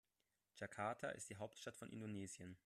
Jakarta ist die Hauptstadt von Indonesien.